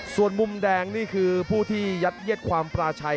ส่วนมุมแดงนี่คือผู้ที่ยัดเย็ดความปราชัย